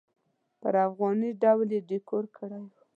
پر افغاني ډول یې ډیکور کړی و.